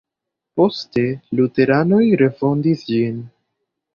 Poste luteranoj refondis ĝin.